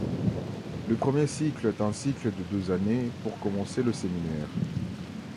Le premier cycle est un cycle de deux années pour commencer le séminaire.